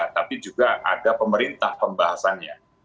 tapi juga ada pemerintah pembahasannya